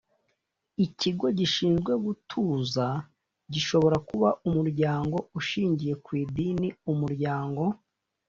ikigo gishinzwe gutuza gishobora kuba umuryango ushingiye kw idini umuryango